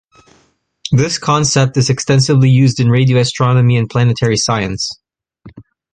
This concept is extensively used in radio astronomy and planetary science.